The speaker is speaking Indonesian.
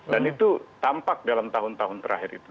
dan itu tampak dalam tahun tahun terakhir itu